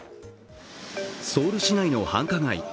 ソウル市内の繁華街。